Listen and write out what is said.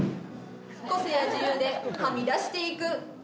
個性や自由ではみ出していく。